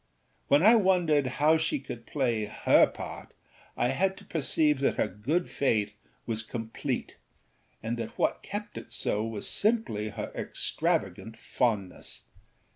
When I wondered how she could play her part I had to perceive that her good faith was complete and that what kept it so was simply her extravagant fondness.